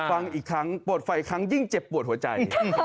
ฟังอีกครั้งปวดไฟอีกครั้งยิ่งเจ็บปวดหัวใจ